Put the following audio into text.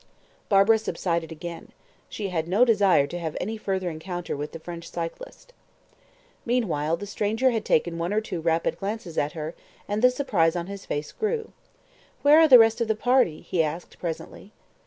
Barbara subsided again. She had no desire to have any further encounter with the French cyclist. Meanwhile, the stranger had taken one or two rapid glances at her, and the surprise on his face grew. "Where are the rest of the party?" he asked presently.